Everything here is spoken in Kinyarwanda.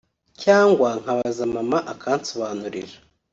cyangwa nkabaza mama akansobanurira